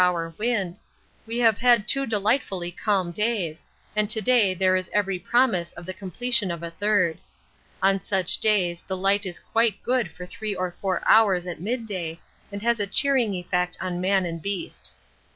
h. wind, we have had two delightfully calm days, and to day there is every promise of the completion of a third. On such days the light is quite good for three to four hours at midday and has a cheering effect on man and beast.